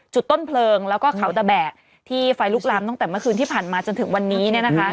จุดต้นเพลิงแล้วก็เขาตะแบะที่ไฟลุกลามตั้งแต่เมื่อคืนที่ผ่านมาจนถึงวันนี้